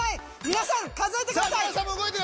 皆さんも動いてください